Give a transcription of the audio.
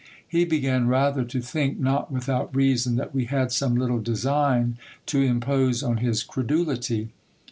He began rather to think, not without reason, that we had some little design to impose on his credulity.